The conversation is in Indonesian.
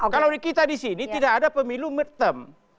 kalau kita disini tidak ada pemilu mertem